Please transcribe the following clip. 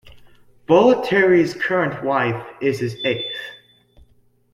Bollettieri's current wife is his eighth.